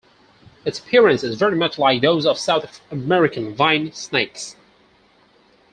Its appearance is very much like those of South American vine snakes.